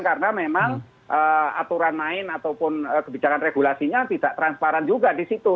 karena memang aturan lain ataupun kebijakan regulasinya tidak transparan juga di situ